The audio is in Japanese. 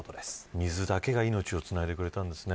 水だけが命をつないでくれたんですね。